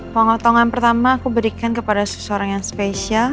pengotongan pertama aku berikan kepada seseorang yang spesial